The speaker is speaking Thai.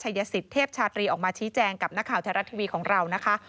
ชายศิษฐ์เทพชาตรีออกมาชี้แจงกับหน้าข่าวแทนรัฐทีวีของเรา